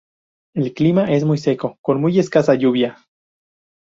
El clima es muy seco con muy escasa lluvia.